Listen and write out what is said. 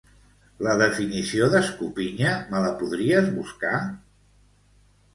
La definició d'escopinya me la podries buscar?